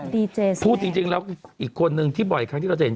พูดจริงแล้วอีกคนนึงที่บ่อยครั้งที่เราจะเห็น